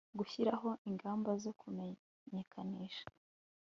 gushyiraho ingamba zo kumenyekanisha